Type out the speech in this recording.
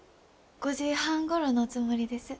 ５時半ごろのつもりです。